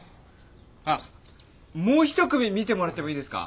あもうひと組見てもらってもいいですか？